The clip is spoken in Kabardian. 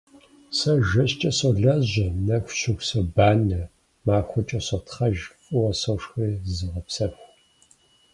Сэ жэщкӀэ солажьэ, нэху щыху собанэ, махуэкӀэ сотхъэж, фӀыуэ сошхэри зызогъэпсэху.